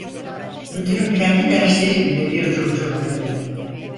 Müdürün kendi dersleri bile bir curcuna idi.